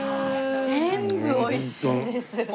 全部美味しいです。